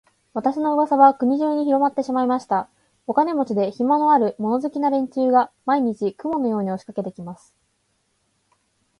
私の噂は国中にひろまってしまいました。お金持で、暇のある、物好きな連中が、毎日、雲のように押しかけて来ます。